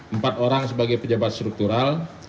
empat orang sebagai pejabat struktural